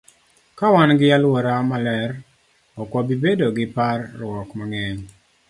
Ka wan gi alwora maler, ok wabi bedo gi par ruok mang'eny.